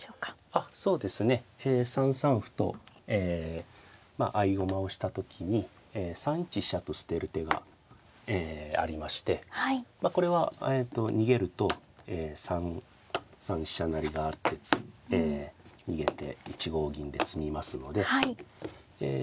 あっそうですね３三歩と合駒をした時に３一飛車と捨てる手がありましてまあこれは逃げると３三飛車成があって次逃げて１五銀で詰みますのでえ